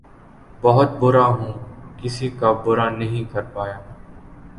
بہت بُرا ہُوں! کسی کا بُرا نہ کر پایا